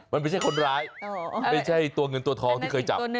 มันไม่ใช่คนร้ายไม่ใช่ตัวเงินตัวทองที่เคยจับ